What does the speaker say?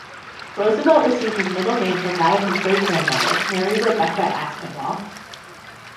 Roosevelt received his middle name from that of his great-grandmother, Mary Rebecca Aspinwall.